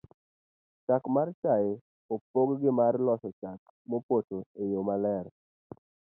chak mar chae opog gi mar loso chak mopoto e yo maler